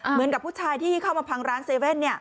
เหมือนกับผู้ชายที่เข้ามาพังร้าน๗๑๑